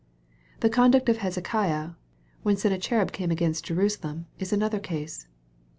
The conduct of Hezekiah, when Sennacherib came against Jerusalem, is another case.